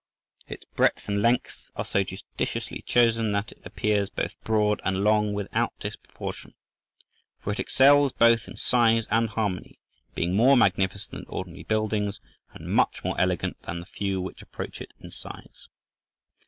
Its breadth and length are so judiciously chosen, that it appears both broad and long without disproportion. For it excels both in size and harmony, being more magnificent than ordinary buildings, and much more elegant than the few which approach it in size.